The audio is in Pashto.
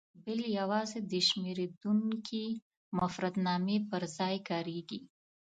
بل یوازې د شمېرېدونکي مفردنامه پر ځای کاریږي.